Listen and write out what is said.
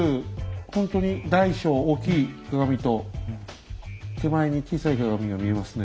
ほんとに大小大きい鏡と手前に小さい鏡が見えますね。